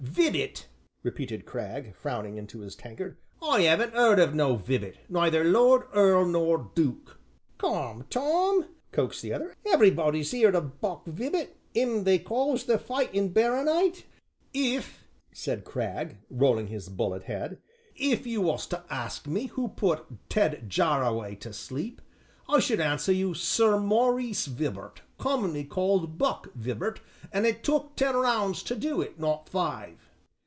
"Vibbot?" repeated Cragg, frowning into his tankard, "I 'aven't 'eard of no Vibbot, neither lord, earl, nor dook." "Come, Tom," coaxed the other, "everybody's heerd o' Buck Vibbot, 'im they calls the 'Fightin' Barronite.'" "If," said Cragg, rolling his bullet head, "if you was to ask me who put Ted Jarraway to sleep, I should answer you, Sir Maurice Vibart, commonly called 'Buck' Vibart; an' it took ten rounds to do it, not five."